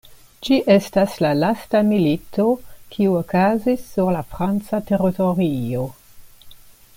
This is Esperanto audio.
Ĝi estas la lasta milito, kiu okazis sur la franca teritorio.